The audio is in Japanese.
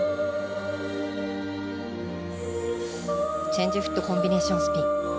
チェンジフットコンビネーションスピン。